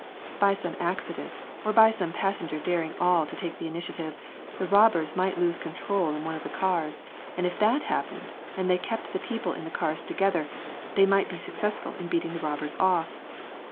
By some accident, or by some passenger daring all to take the initiative, the robbers might lose control in one of the cars, and if that happened, and they kept the people in the cars together, they might be successful in beating the robbers off.